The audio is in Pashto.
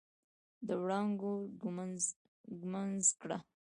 د وړانګو ږمنځ کړه